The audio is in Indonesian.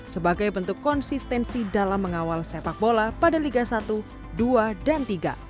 sebagai bentuk konsistensi dalam mengawal sepak bola pada liga satu dua dan tiga